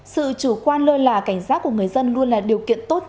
sự chủ quan lơi là cảnh sát của người dân luôn là điều kiện tốt